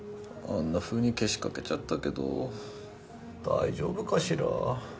あんなふうにけしかけちゃったけど大丈夫かしら。